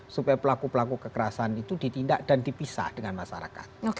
supaya pelaku pelaku kekerasan itu ditindak dan dipisah dengan masyarakat